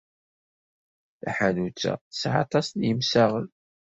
Taḥanut-a tesɛa aṭas n yemsaɣen.